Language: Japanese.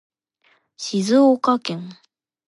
静岡県